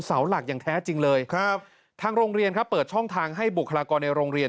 เสาหลักอย่างแท้จริงเลยครับทางโรงเรียนครับเปิดช่องทางให้บุคลากรในโรงเรียน